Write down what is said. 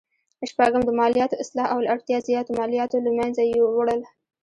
شپږم: د مالیاتو اصلاح او له اړتیا زیاتو مالیاتو له مینځه وړل.